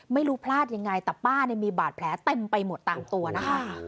ไม่รู้พลาดยังไงแต่ป้าเนี่ยมีบาดแผลเต็มไปหมดตามตัวนะคะ